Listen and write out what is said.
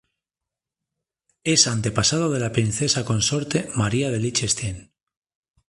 Es antepasado de la princesa consorte María de Liechtenstein.